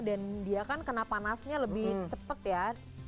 dan dia kan kena panasnya lebih cepet ya